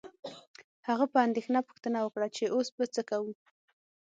هغه په اندیښنه پوښتنه وکړه چې اوس به څه کوو